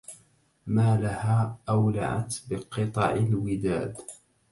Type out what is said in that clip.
ما لها أولعت بقطع الوداد